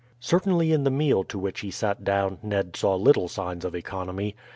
Certainly in the meal to which he sat down Ned saw little signs of economy.